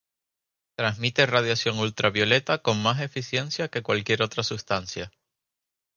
Transmite radiación ultravioleta con más eficiencia que cualquier otra sustancia.